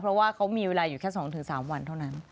เพราะว่าเขามีเวลาอยู่แค่๒๓วันเท่านั้น